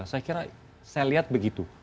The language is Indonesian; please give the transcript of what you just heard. saya kira saya lihat begitu